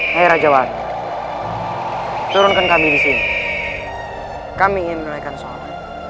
hai rajawan turunkan kami di sini kami ingin meneraikan sholat